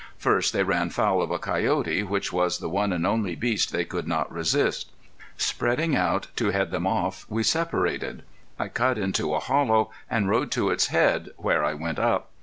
First they ran foul of a coyote, which was the one and only beast they could not resist. Spreading out to head them off, we separated. I cut into a hollow and rode to its head, where I went up.